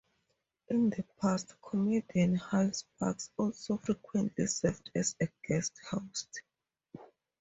In the past, Comedian Hal Sparks also frequently served as a guest host.